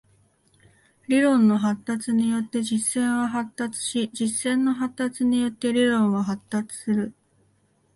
理論の発達によって実践は発達し、実践の発達によって理論は発達する。